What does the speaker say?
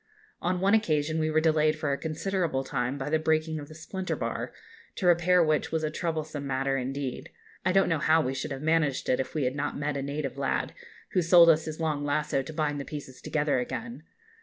On one occasion we were delayed for a considerable time by the breaking of the splinter bar, to repair which was a troublesome matter; indeed, I don't know how we should have managed it if we had not met a native lad, who sold us his long lasso to bind the pieces together again.